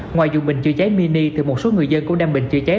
ngoài dù bình chữa cháy mini thì một số người dân cũng đem bình chữa cháy